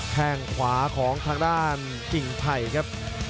แค่งขวาของทางด้านกิ่งไผ่ครับ